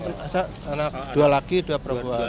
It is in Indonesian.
masa anak dua laki dua perempuan